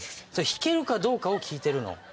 弾けるかどうかを聞いてるの。